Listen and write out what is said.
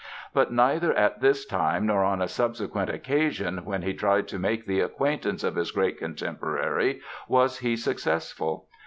But neither at this time nor on a subsequent occasion when he tried to make the acquaintance of his great contemporary was he successful.